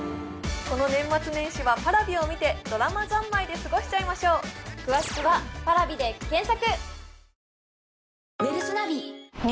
この年末年始はＰａｒａｖｉを見てドラマ三昧で過ごしちゃいましょう詳しくはパラビで検索